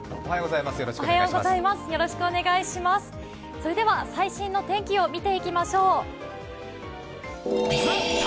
それでは最新の天気を見ていきましょう。